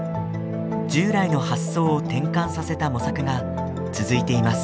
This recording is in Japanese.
従来の発想を転換させた模索が続いています。